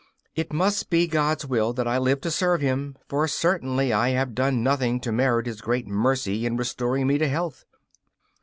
It must be God's will that I live to serve Him, for certainly I have done nothing to merit His great mercy in restoring me to health.